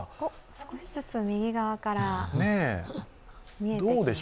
少しずつ右側から見えてきました。